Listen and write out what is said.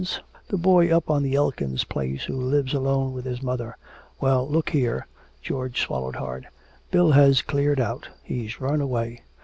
Yes, you do the boy up on the Elkins place who lives alone with his mother. Well, look here!" George swallowed hard. "Bill has cleared out he's run away!